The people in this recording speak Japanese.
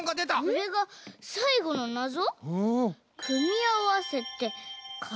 これがさいごのなぞ？